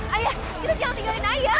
ayah kita jangan tinggalin ayah